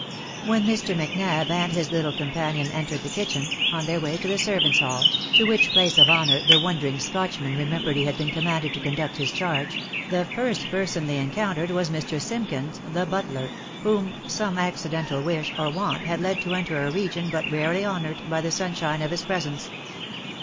When Mr. Macnab and his little companion entered the kitchen, in their way to the servants' hall, to which place of honour the wondering: Scotchman remembered he had been commanded to conduct his charge, the first person they encountered was Mr. Simkins, the butler, whom some accidental wish or want had led to enter a region but rarely honoured by the sunshine of his pre sence.